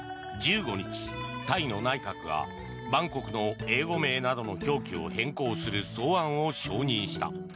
１５日、タイの内閣がバンコクの英語名などの表記を変更する草案を承認した。